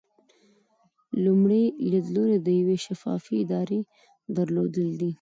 لومړی لیدلوری د یوې شفافې ادارې درلودل دي.